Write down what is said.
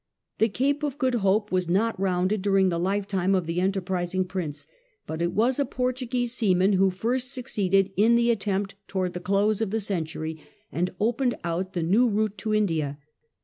The Cape of Good Hope was not rounded during the life time of the enterprising Prince, but it was a Portuguese seaman who first succeeded in the attempt towards the close of the century, and opened out the new route to India.